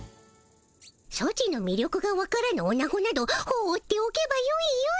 ソチのみりょくがわからぬオナゴなどほうっておけばよいよい。